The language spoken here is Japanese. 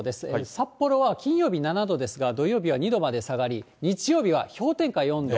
札幌は金曜日７度ですが、土曜日は２度まで下がり、日曜日は氷点下４度。